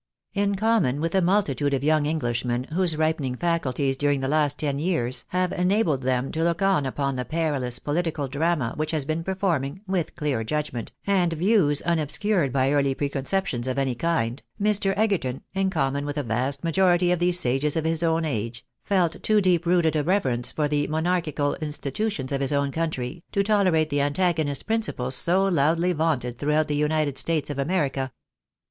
In common with a multitude of young Englishmen, whose ripening faculties during the last ten years have enabled them to look on upon the perilous political drama which has been perform ing, with clear judgment, and views unobscured by early precon ceptions of any kind, Mr. Egerton, in conamon with a vast majority of these sages of his own age, felt too deep rooted a reverence for the monarchical institutions of his own country, to tolerate the antagonist principles so loudly vaunted throughout the United States of America.